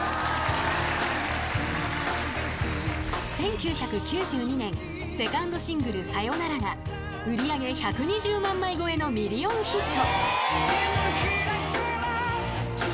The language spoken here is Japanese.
［１９９２年セカンドシングル『サヨナラ』が売り上げ１２０万枚超えのミリオンヒット］